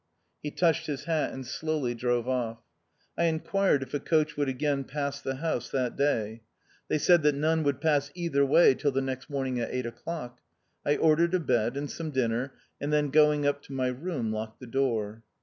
He touched his hat and slowly drove off. I inquired if a coach would again pass the house that day. They said that none would pass either way till the next morning at eight o'clock. I ordered a bed and some dinner, and then going up to my room locked the door.